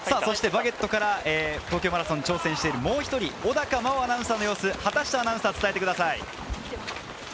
『バケット』から東京マラソン挑戦しているもう１人、小高茉緒アナウンサーの様子を畑下アナウンサー、伝えてください。